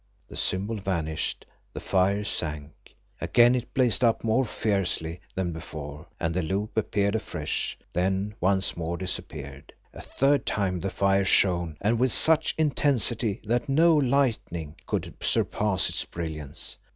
The symbol vanished, the fire sank. Again it blazed up more fiercely than before and the loop appeared afresh, then once more disappeared. A third time the fire shone, and with such intensity, that no lightning could surpass its brilliance.